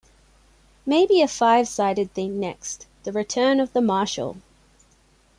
Maybe a five-sided thing next, the return of the Marshall.